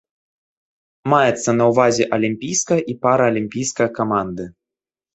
Маецца на ўвазе алімпійская і паралімпійская каманды.